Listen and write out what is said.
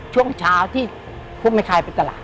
ช่วงเช้าที่พวกไม่คลายไปตลาด